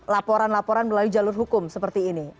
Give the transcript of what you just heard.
laporan laporan melalui jalur hukum seperti ini